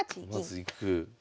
まずいく。